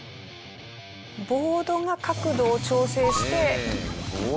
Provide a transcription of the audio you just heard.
ボードが角度を調整して。